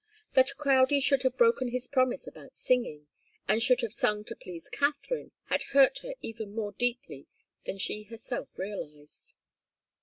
That Crowdie should have broken his promise about singing, and should have sung to please Katharine, had hurt her even more deeply than she herself realized.